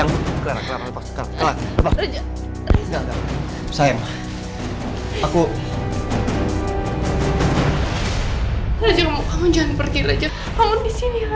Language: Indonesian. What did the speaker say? nuclearek cara tolong lepaskan kamu dari suami aku ya